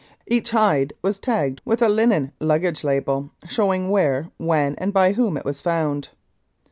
Each hide was tagged with a linen luggage label, showing where, when and by whom it was found.